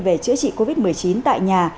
về chữa trị covid một mươi chín tại nhà